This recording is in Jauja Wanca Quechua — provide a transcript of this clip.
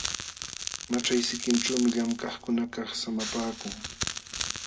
Maćhay sikinćhuumi llamkaqkunakaq samapaakun.